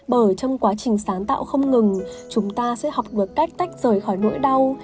bởi trong quá trình sáng tạo không ngừng chúng ta sẽ học được cách tách rời khỏi nỗi đau